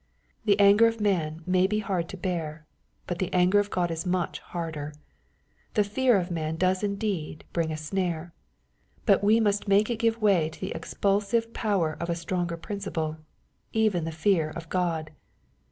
The anger of man may be hard to bear, but the anger of God is much harder. The fear of man does indeed bring a snare, but we must make it give way to the expulsive power of a stronger principle, even the fear of God.